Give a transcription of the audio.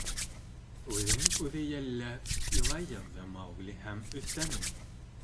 Үҙен үҙе йәлләп, илай яҙҙы Маугли һәм өҫтәне: